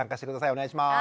お願いします。